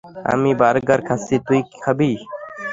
আমি বার্গার খাচ্ছি, তুই খাবি?